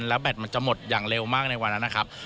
แล้วแบตมันจะหมดอย่างเร็วมากในวันนั้นนะครับ